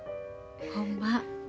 ほんま。